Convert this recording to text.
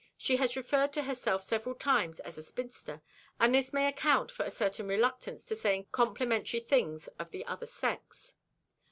She has referred to herself several times as a spinster, and this may account for a certain reluctance to saying complimentary things of the other sex.